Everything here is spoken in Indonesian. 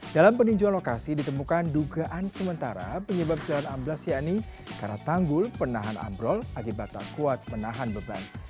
dalam peninjauan lokasi ditemukan dugaan sementara penyebab jalan ablas yakni karat tanggul penahan ambrol akibat tak kuat penahan beban